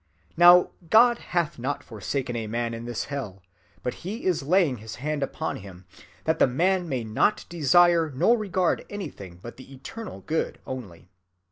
Now God hath not forsaken a man in this hell, but He is laying his hand upon him, that the man may not desire nor regard anything but the eternal Good only.